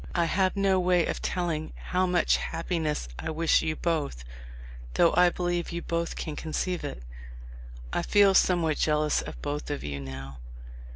I have no way of telling how much happiness I wish you both, though I believe you both can conceive it. I feel somew r hat jealous of both of you now.